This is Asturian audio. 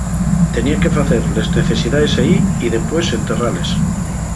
Tenía que facer les necesidaes ehí y depués enterrales.